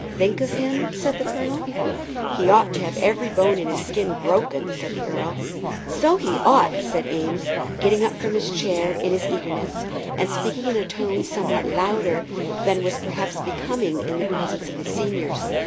"Think of him?" said the colonel. "He ought to have every bone in his skin broken," said the earl. "So he ought," said Eames, getting up from his chair in his eagerness, and speaking in a tone somewhat louder than was perhaps becoming in the presence of his seniors.